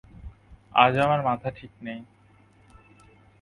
আজ আমার মাথা ঠিক নেই।